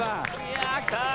さあ